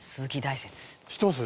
「知ってます？」